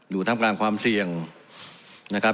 ทำกลางความเสี่ยงนะครับ